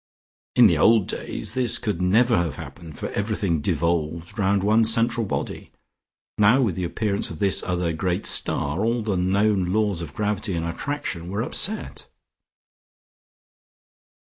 In the old days this could never have happened for everything devolved round one central body. Now with the appearance of this other great star, all the known laws of gravity and attraction were upset.